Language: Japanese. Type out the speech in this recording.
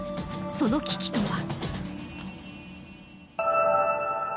その危機とは。